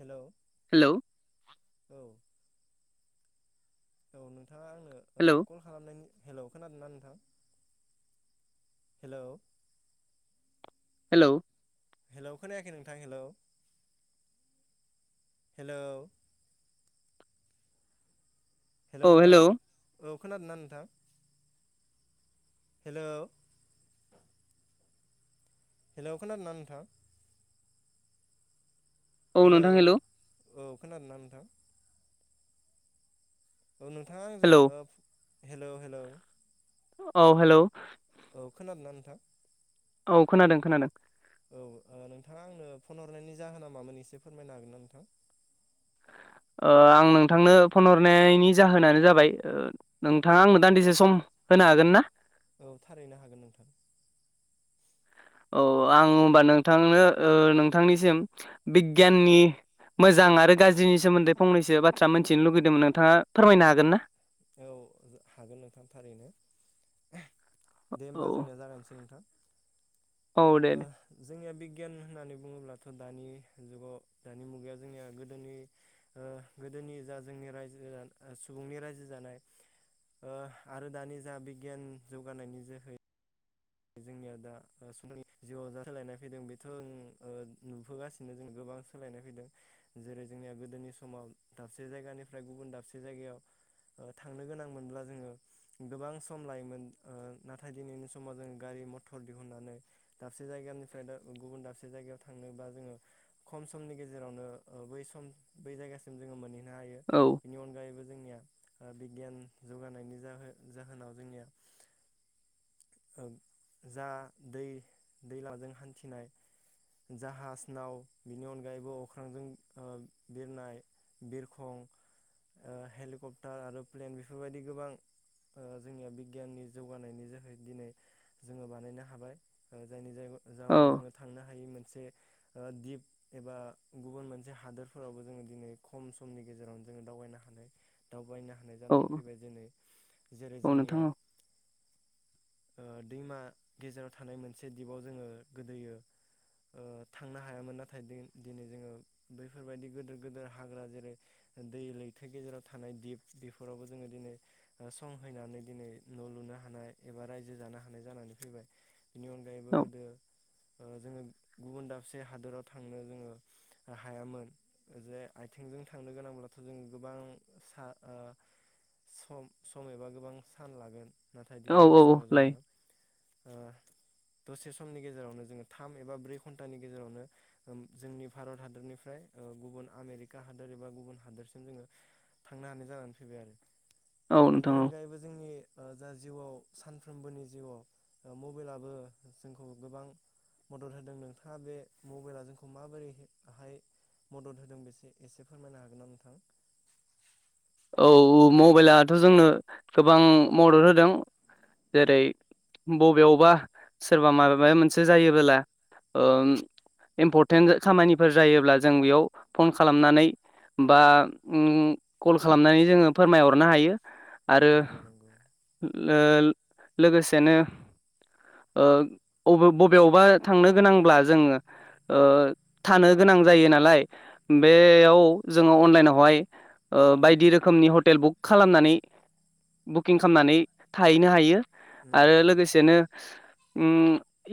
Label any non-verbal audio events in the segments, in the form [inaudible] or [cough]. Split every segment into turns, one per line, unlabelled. हेल'
hello
औ नोंथाङा आंनो
हेलौ
ओ कल खालामनायनि हेलौ खोनादों ना नोंथां? हेलौ
हेलौ
हेलौ खोनायाखै नोंथां हेलौ हेल'
औ हेल'
नोंथां औ खोनादोंना नोंथां? हेल' हेल'खोनादों ना नोंथां?
औ
हेलौ
नोंथां हेल'
औ खोनादों ना नोंथां? औ नोंथाङा आंजों
हेलौ
ओब हेलौ- हेलौ
औ हेल'
औ खोनादोंनाा नोंथां?
औ खोनादों खोनादों
औ ओ नोंथाङा आंनो फन हरनायनि जाहोना मामोन एसे फोरमायनो हागोन ना नोंथां?
ओ आं नोंथांनो फन हरनायनि जाहोनानो जाबाय ओ नोंथाङा आंनो दान्दिसे सम होनो हागोन ना?
औ थारैनो हागोन नोंथां।
औ आं होमबा नोंथांनो नोंथांनिसिम बिगियाननि। मोजां आरो गाज्रिनि सोमोन्दै फंनैसो बाथ्रा मिनथिनो लुगैदोंमोन नोंथाङा फोरमायनो हागोन ना।
औ हागोन नोंथां थारैनो दे
औ
होमबा जोंनिया जागायसै नोंथां।
औ दे
ओ
दे
जोंनिया बि। गियान होननानै बुङोब्लाथ दानि जुगाव दानि मुगाया जोंनिया गोदोनि। जोंनि जा जोंनि रायजो सुबुंनि रायजो। जानाय ओ आरो दानि जा बिगियान जौगानायनि जोहै। जोंनिया दा समनि जिउआव जा सोलायनाय फैदों बेथ' नुबोगासिनो जों गोबां गोबां सोलायनाय फैदों जेरै जोंनिया गोदोनि समाव दाबसे जायगानिफ्राय गुबुन दाबसे जायगायाव‌ थांनो गोनांमोनब्ला जोङो गोबां सम लायोमोन नाथाय दिनैनि समाव जों। गारि मथर दिहुननानै दाबसे जायगानिफ्राय गुबुन दाबसे जायगायाव थांनोबा जोङो खम। नि गेजेरावनो सम बै जायगासिम जोो मोनहैनो हायो
औ
बिनि अनगायैबो। जोंनिया बिगियान जगानायनि जाहोनाव जोंनिया। जा दै दैलाजों हान्थिनाय। जाहाज नाव बिनि अनगायैबो अख्रांजों बिरनाय। बिरखं हेलिकप्टार आरो प्लेन बेफोरबायदि गोबां। ओ जोंनिया बिगियाननि जौगानायनि जोहै दिनै। जोङो बानायनो हाबाय जायनि जाय
औ
जाहनाव जोङो थांनो हायि मोनसे। दिप एबा गुबुन मोनसे हादोरफोरावबो जोङो दिनै खम समनि गेजेरावनो जोङो दावबायनो हा। दावबायनो। नानै
औ
फैबाय जै जेरै
औ नोंथां
जोंनिया।
औ
ओ दैमा गेजेराव थानाय मोनसे दिपाव जोङो गोदोयो। ओ थांनो हायामोन नाथाय दि दिनै जोङो बैफोरबायदि गिदिर गोिदेर हाग्रा जेरै। दै लैथो गेजेराव थानाय दिप बेफोरावबो जोङो दिनै संहैनानै दिनै न लु। नो हानाय एबा रायजो जानो हानाय जानानै फैबाय बिनि अनगायैबो गोदो। ओ जोङो गुबुन दाबसे हादोराव थांनो जोङो हायामोन जे आइथिं। थांनो गोनांब्लाथ जों गोबां सा ओ। सम सम एबा गोबां सान लागोन नाथाय
औ औ
दिनैनि
औ
समाव
लायो
जोङो। ओ। दसे समनि गेजेरावनो जोङो थाम एबा ब्रै घन्टानि गेजेरावनो जोंनि भारत हादरनिफ्राय। गुबुन आमेरिका हादोर एबा गुबुन हादोरसिम जोङो थांनो हानाय जानानै फैबाय आरो।
औ
बिनि
नोंथां औ
अनगायैबो जोंनि जा जिउआव सानफ्रोमबोनि। जिउआव मबेलाबो जोंखौ गोबां। मदद होदों नोंथाङा बे मबेला जोंखौ माबोरैहाय। मदद होदों बेसे एसे फोरमायनो हागोन ना नोंथां।
औ मबाइलाथ जोंनो गोबां मदद होदों। जेरै बबेयावबा सोरबा माबा माबा मोनसे जायोबोला। इम्परटेन्ट खामानिफोर जायोब्ला जों बेयाव फन खालामनानै। बा ओ कल खालामनानै जोङो फोरमायहरनो हायो।
नंगौ नंगौ।
लोल लोगोसेनो। ओ अबे बबेयावबा थांनो गोनांब्ला जोङो। ओ थानो गोनां जायो नालाय
नंगौ
बेयाव जोङो अनलाइनावहाय। बायदि रोखोमनि हटेल बुक खालामनानै बुकिं खालामनानै थाहैनो हायो। आरो
नंगौ नंगौ
लोगोसेनो। ओ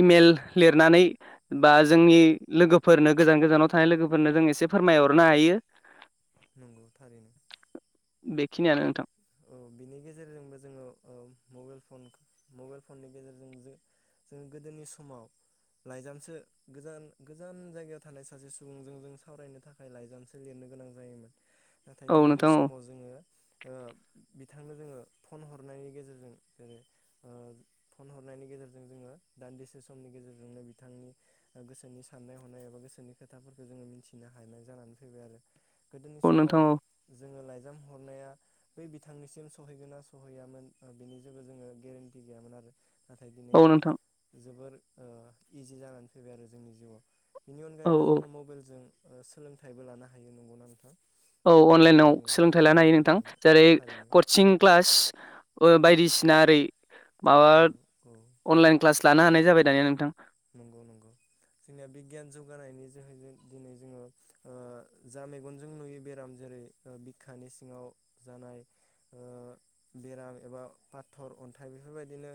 इमेल लिरनानै बा जोंनि लोगोफोरनो गोजान गोजानाव थानाय लोगो। फोरनो जों एसे फोरमायहरनो हायो।
नंगौ थारैनो।
बेखिनियानो नोंथां।
औ बिनि गेजेरजोंबो जोङो ओ मबाइल फन मबाइल फननि गेजेरजों जो जोंङो गोदोनि समाव लाइजामसो गोजान गोजान जायगायाव थानाय सासे सुबुंजों जों सावरायनो थाखाय लाइजामसो लिरनो गोनां जायोमोन नाथाय
औ
दिनैनि
नोंथां औ
समाव जोङो ओ बिथांनो जोङो फन हरनायनि गेजेरजों ओ ओ फन हरनायनि गेजेरजों जोङो एसे समनि गेजेरजोंनो बिथांनि ओ गोसोनि साननाय हनाय एबा गोसोनि खोथाफोरखो जोङो मिथिनो हानाय जानानै फैबाय आरो गोदोनि
औ
समाव
नोंथां
जोङो लाइजाम हरनाया बै बिथांनिसिम सहैगोन ना सहैयामोन बिनि जेबो जोङो गेरेन्टि गैयामोन आरो नाथाय दिनै
औ नोंथां
जोबोर ओ इजि जानानै फैबाय आरो जोंनि जिउआव बेनि
औ
अनगायैबो
औ
जोङो मबेललजों ओ सोलोंथाइबो लानो हायो नंगौना नोंथां
औ अनलाइनाव
जोङो
सोलोंथाइ
औ
लानो हायो नोंथां
नंगौ
जेरै
थारैनो
करचिं क्लास बो बायदिसिना ओरै माबा
औ औ
अनलाइन क्लास लानो हानाय जाबाय दानिया नोंथां
नंगौ नंगौ जोंनिया बिगियान जौगानायनि जोहै जों दिनै जोङो ओ जा मेगनजों नुयो बेरामजों ै बिखानि सिङाव जानाय ओ बेराम एबा पाथर अन्थाइ बेफोरबायदिनो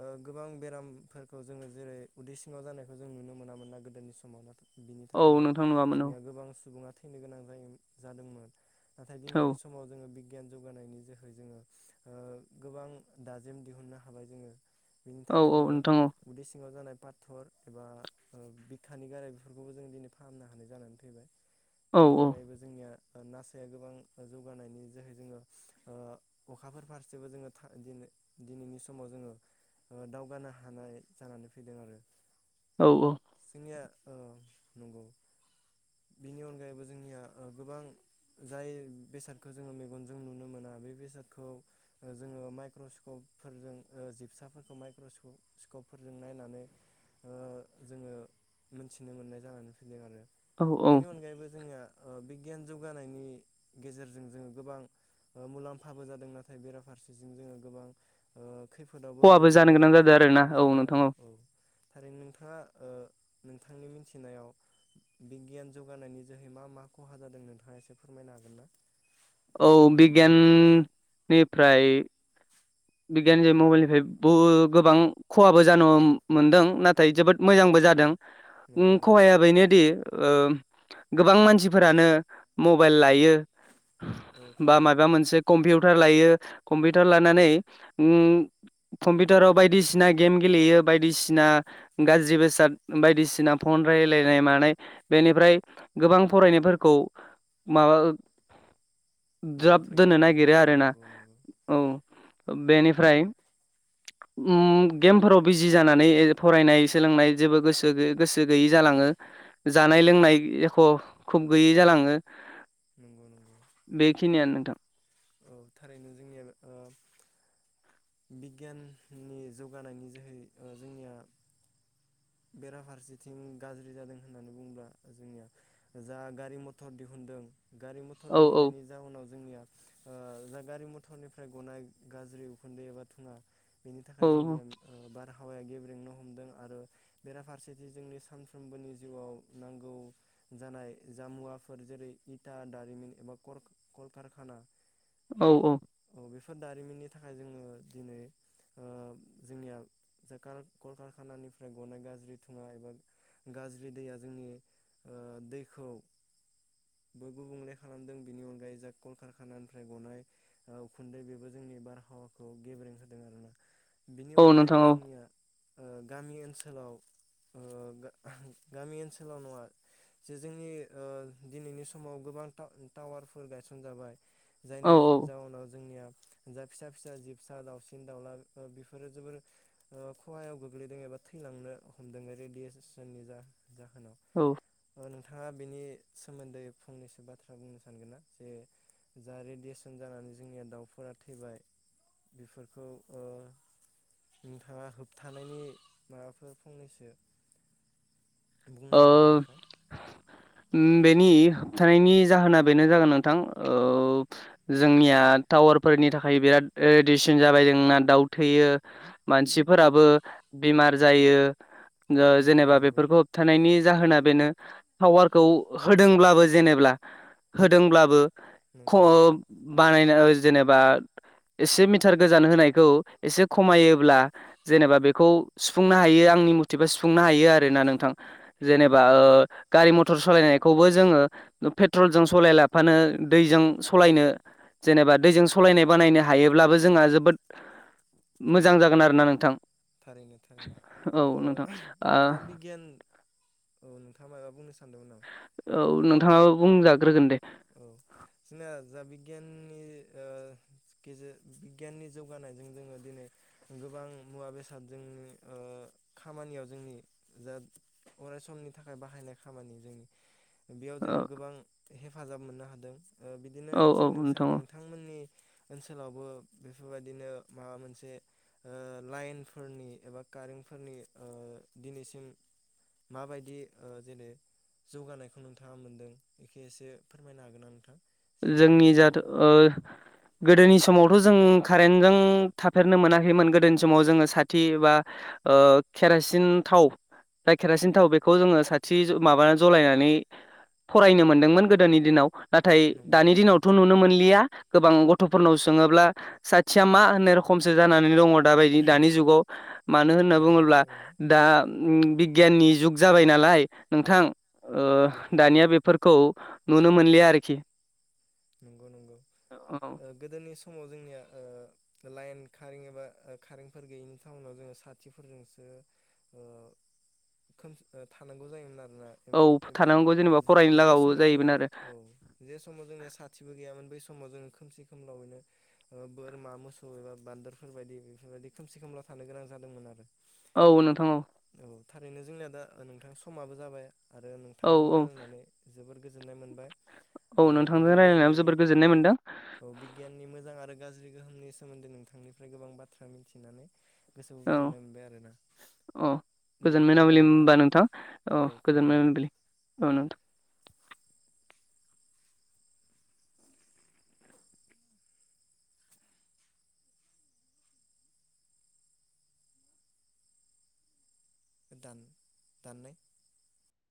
ओ गोबां बेराम फोरखौ जोङो जेरै उदै सिङाव जानायखौ जों नुनो मोनामोन ना गोदोनि समाव ना बिनि
औ
थाखायनो
नोंथां नुवामोन औ
जोंनिया गोबां सुबुङा थैनो गोनां जायो जादोंमोन नाथाय दिनैनि
औ
समाव जोङो बि- गियान जौगानायनि जोहै जोङो ओ गोबां दाजिम दिहुननो हाबाय जोङो बिनि
औ
थाखाय
औ
जोङो
नोंथां औ
उदै सिङाव जानाय पााथर एबा ओ बिखानि गाराय बेफोरखौबो जों दिनै फाहामनो हानाय जानानै फैबाय
औ
बेनि अनगायैबो जोंनिया नासाया गोबां जौगानायनि जोहै जोङो ओ अखाफोर फारसेबो जोङो था दिनो- दिनिनि समाव जोङो ओ दावगानो हानाय जानानै फैदों आरो
औ औ
निया ओ नंगौ बिनि अनगायैबो जोंनिया ओ गोबां जाय बेसादखौ जोङो मेगनजों नुनो मोना बे बेसादखौ ओ जोङो माइक्रस्कप फोरजों ओ जिबसाफोरखौ माइक्रस्क स्कपफोरजों नायनानै ओ जोङो मोनथिनो मोननाय जानानै फैदों आरो
औ औ
बेनि अनगायैबो जोंनिया ओ बिगियान जौगानायनि गेजेरजों जोङो ओ गोबां मुलाम्फाबो जादों नाथाय बेराफार फारसें जोङो गोबां ओ खैफोदावबो
खहाबो जानो
गोग्लैनाय
गोनां
बायदि
जादों आरोना
खहाबो
औ
जादों
नोंथां
आरो औ थारैनो नोंथाङा ओ नोंथांनि मिथिनायाव बिगियान जौगानायनि जोहै मा मा खहा जादों नोंथाङा एसे फोरमायनो हागोन ना
औ बिगियाननिफ्राय बिगियान जे मबाइलनिफ्राय बहो गोबां खहाबो जानो हम मोनदों नाथाय जोबोद मोजांबो जादों उम
नंगौ नंगौ
खहाया बेनोदि ओ गोबां मानसिफोरानो मबाइल लायो
औ
बा
थारैनो
मायबा मोनसे कम्पिउटार लायो कम्पिउटार लानानै उओ कम्पिउटाराव बायदिसिना गेम गेलेयो बायदिसिना गाज्रि बेसाद बायदिसिना फन फन रायलायनाय मानाय बेनिफ्राय गोबां फरायनायफोरखौ माबा ज्राब
दोनथ'यो
दोननो
आरोना
नागिरो आरो ना
नंगौ नंगौ
औ बेनिफ्राय उम गेमफोराव बिजि जानानै फरायनाय सोलोंनाय जेबो गोसो गो गोसो गैयि जालाङ थाङो जानाय लोंनाय एख' खुब गैयै जालाङो
नंगौ नंगौ
बेखिनियानो नोंथां
औ थारैनो जोंनिया ओ बिगियाननि जौगानायनि जोहै जोंनिया बेराफारसेथिं गाज्रि जादों होननानै बुंङोब्ला जोंनिया जा गारि मथर दिहुनदों गारि मथर
औ औ
दिहुननायनि जाउनाव जोंनिया ओ जा गारि मथर बेनि थाखाय
औ
जोंनिया बारहावाया गेब्रेंनो हमदों आरो बेराफारसे इथा दारिमिन एबा कल कलखारखाना
औ औ
बेफोर दारिमिननि थाखाय जोङो दिनै ओ जोंनिया सरखार कलखारखानानिफ्राय बनायगा [unintelligible] एबा गाज्रि दैया जोंनि दैखौ बो गुबुंले खालामदों बेनि अनगायै जा कलकारखानानिफ्राय गनाय उखुन्दै बेबो जों जोंनि बारहावाखौ गेब्रें जादों आरोना बिनि
औ नोंथां
अनगायैबो
औ
जोंनिया ओ गामि ओनसोलाव ओ
[unintelligible]
गामि ओनसोलाव नङा जे जोंनि दिनैनि समाव गोबां टा टावारफोर गायसन जाबाय
औ
जायनि
औ
जाउनाव जोंनिया जा फिसा फिसा जि फिसा दाउसिन दाउला बेफोरो जोबोर खहायाव गोग्लैदों एबा थैलांनो हमदों रेडिअ' सेसननि जोन
औ
नोंथाङा बेनि सोमोन्दै फंनैसो बाथ्रा बुंनो सानगोन ना जे जा रेडियेसन जानानै जोंनिया दाउफोरा थैबाय बेफोरखौ ओ नोंथाङा होबथानायनि माबाफोर फंनैसो बुंनो
ओ
हागोन ना नोंथां
बेनि होबथानायनि जाहोना बेनो जागोन नोंथां ओ जोंनिया टावार फोरनि थाखाय बिराद रेदिसन जाबाय जोंना दाउ थैयो मानसिफोराबो बेमार जायो
नंगौ
जेनेबा
नंगौ
बेफोरखौ होबथा नायनि जाहोना बेनो टावारखौ होदोंब्लाबो जेनेब्ला होदोंब्लाबो खह
नंगौ नंगौ
बानायनो जेनेबा एसे मिटार गोजान होनायखौ एसे खमायोब्ला जेनेबा बेखौ सुफुंनो हायो आं आंनि मथिबा सुफुंनो हायो आरो ना नोंथां
नंगौ
जेनेबा
नंगौ
ओ गारि मथर टर सालायनायखौबो जोङो पेट्रलजों सलाया लाफानो दैजों सालायनो जेनेबा दैजों सलायनाय बानायनो हायोब्लाबो जोंहा जोबोद मोजां जागोन आरो ना नोंथां
थारैनो
औ
थारैनो
नोंथां
ओ
ओ
दा बिगियान औ नोंथाङा माबा बुंनो सा
औ नोंथाङाबो बुंजाग्रोगोन दे
औ जोंना जा बिगियाननि ओ गेजेरजों बिगियाननि जौगानायजों जोङो दिनै गोबां मुवा बेसाद जोंनि खामानियाव जोंनि जा अराय समनि थाखाय बाहायनाय खामानि जोंनि बेयाव जोङो
औ
गोबां हेफाजाब मोननो हादों बिदिनो
औ
थिग
नोंथां
नोंसोर
औ
नोंथांमोननि ओनसोलावबो बेफोरबायदिनो माबा मोनसे ओ लाइनफोरनि एबा कारेन्टफोरनि दिनैसिम माबायदि जेनै जौगानायखौ नोंथाङा मोनदों एखे एसे फोरमायनो हागोन नामा नोंथां जे गोदोनि
जोंनि जाथ
समाव
गोदोनि समाव जों खारेंजों थाफेरनो मोनाखैमोन गोदोनि समाव जों साथि बा खे रासिन थाव जा खेरासिन थाव बेखौ जोङो साथि माबा जलायनानै फरायनो मोनदोंमोन गोदोनि दिनाव नाथाय
नंगौ नंगौ
जोंनावथ' नुनो मोनलिया गोबां गथ'फोरनाव सोङोब्ला साथिया मा होननाय रखमसो जानानै दङ दाबायदि दानि जुगाव मानो होनना
थारैनो
बुङोब्ला
थारैनो
दा बि गियाननि जुग जाबाय नालाय नोंथां
औ औ
दानिया बेफोरखौ नुनो मोनलिया आरोखि
नंगौ नंगौ
औ
गोदोनि सम
[inaudible]
लाइन खारें एबा खारेंफोर गैयिनि टाउनाव जोङो साथिफोरजोंसो
[inaudible]
खोम थानांगौ जायोमोन आरो मुवा एम्फौ
औ
एबा
थानांगौ जेनेबा फरायनो
जे
लागाबो
समाव
जाहैगोन
जोंनिया
आरो
औ जे समाव जोंनिया साथि बो गैयामोन बै समाव जोङो खोमसि खोमलावैनो बोरमा मोसौ एबा बान्दोरफोर बायदि बेफोरबायदि खोमसि खोमला थानो गोनां जादोंमोन आरो
औ नोंथां औ।
औ थारैनो जोंनिया दा नोंथां समाबो जाबाय आरो
औ
नोंथांजों
औ
रायलायनानै जोबोर गोजोननाय मोनबाय
औ
आरो
नोंथां जों।
बिगियाननि औ बिगियाननि मोजां आरो गाज्रि गोहोमनि सोमोन्दै नोंथांनिफ्राय गोबां बाथ्रा मिथिनानै गोसोखौ
औ
गोजोननाय मोनबाय आरोना।
औ
दे
गोजोन मोनाबिलि
खुलुमबाय
होमबा नोंथां औ गोजोन
खुलुमबाय दे
मोनाबिलि औ नोंथां।
दान दाननाय